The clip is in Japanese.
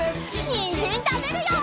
にんじんたべるよ！